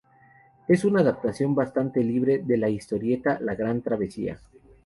Es una adaptación bastante libre de la historieta "La gran travesía".